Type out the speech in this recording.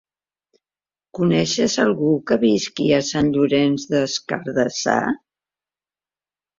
Coneixes algú que visqui a Sant Llorenç des Cardassar?